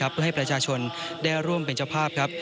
เพื่อให้ประชาชนได้ร่วมเป็นเจ้าภาพครับ